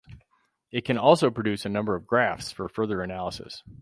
It can also produce a number of graphs for further analysis.